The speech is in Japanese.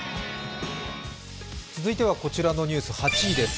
続いてはこちらのニュース８位です。